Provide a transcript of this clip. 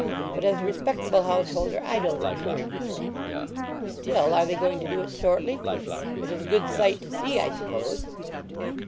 But as a respectable householder I don't encourage it. "Still, are they going to do it shortly? It is a good sight to see, I suppose?"